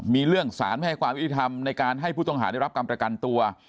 มีเรื่องสารไม่ให้ความยุติธรรมในการให้ผู้ต้องหาได้รับการประกันตัว